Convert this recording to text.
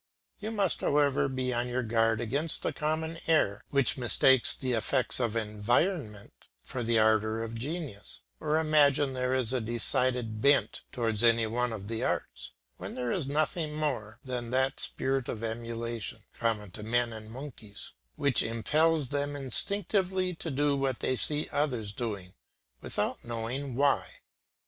You must, however, be on your guard against the common error which mistakes the effects of environment for the ardour of genius, or imagines there is a decided bent towards any one of the arts, when there is nothing more than that spirit of emulation, common to men and monkeys, which impels them instinctively to do what they see others doing, without knowing why.